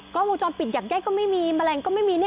กล้องวงจรปิดแยกก็ไม่มีแมลงก็ไม่มี